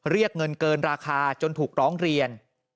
เรียกเงินเกินราคาจนถูกร้องเรียน